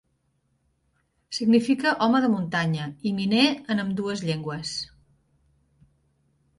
Significa "home de muntanya" i "miner" en ambdues llengües.